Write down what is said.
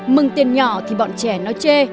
mừng tiền nhỏ thì bọn trẻ nó chê